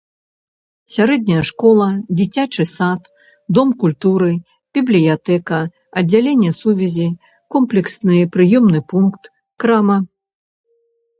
Сярэдняя школа, дзіцячы сад, дом культуры, бібліятэка, аддзяленне сувязі, комплексны прыёмны пункт, крама.